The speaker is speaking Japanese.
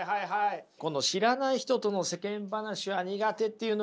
この知らない人との世間話は苦手っていうのはね